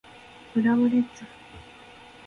浦和レッズ